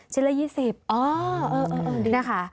ชิ้นละ๒๐นะคะ